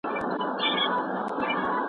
زه خپل ورېښتان مینځم.